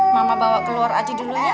mama bawa keluar aja dulu ya